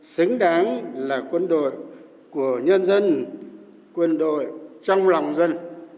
xứng đáng là quân đội của nhân dân quân đội trong lòng dân